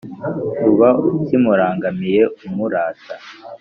uba ukimurangamiye umurata